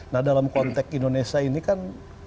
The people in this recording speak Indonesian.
nah dalam konteks indonesia ini kan